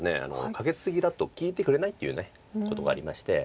カケツギだと利いてくれないということがありまして。